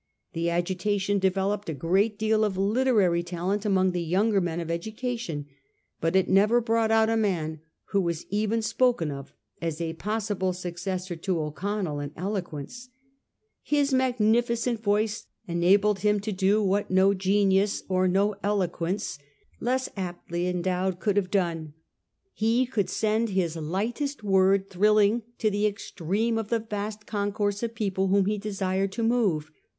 The agitation developed a great deal of literary talent among the younger men of education ; but it never brought out a man who was even spoken of as a possible suc cessor to O'Connell in eloquence. His magnificent voice enabled him to do what no genius and no eloquence less aptly endowed could have done. He could send his lightest word thrilling to the extreme of the vast concourse of people whom he desired to move.